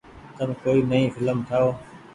تم ڪوئي نئي ڦلم ٺآئو ۔